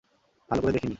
ভালো করে দেখিনি!